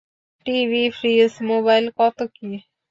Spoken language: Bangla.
টিভি, ফ্রিজ, মোবাইল, কত কী!